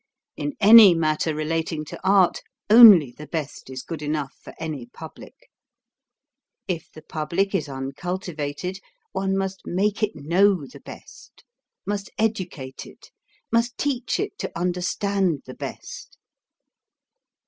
In any matter relating to art, only the best is good enough for any pub lic. If the public is uncultivated, one must make it know the best, must educate it, must teach it to understand the best.